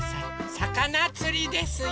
さかなつりですよ。